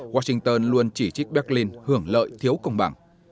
washington luôn chỉ trích berlin hưởng lợi thiếu công bằng